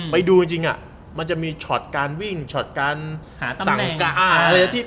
ไปดูจริงอะมันจะมีช็อตการวิ่งช็อตการหาตำแหน่ง